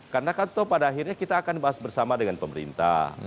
karena kan pada akhirnya kita akan bahas bersama dengan pemerintah